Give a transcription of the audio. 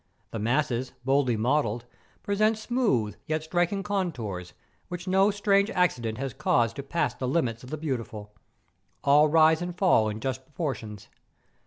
The masses, boldly modelled, present smooth, yet striking contours, which no strange ac¬ cident has caused to pass the limits of the beauti¬ ful. All rise and fall in just proportions.